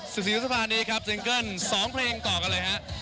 สิบสี่พฤษภานี้ครับซิงเกิ้ลสองเพลงต่อกันเลยฮะ